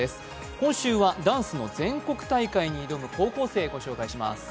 今週はダンスの全国大会に挑む高校生をご紹介します。